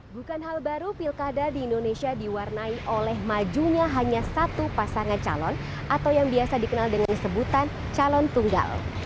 bukan hal baru pilkada di indonesia diwarnai oleh majunya hanya satu pasangan calon atau yang biasa dikenal dengan sebutan calon tunggal